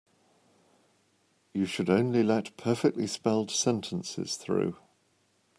You should only let perfectly spelled sentences through.